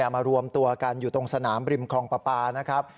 มารวมตัวกันอยู่ตรงสนามบริมคลองปปา